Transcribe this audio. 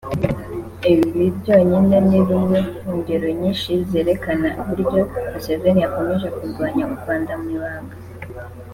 Ibi byonyine ni rumwe mu ngero nyinshi zerekana uburyo Museveni yakomeje kurwanya u Rwanda mu ibanga